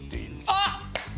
あっ！